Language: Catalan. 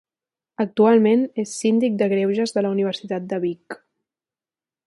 Actualment és Síndic de Greuges de la Universitat de Vic.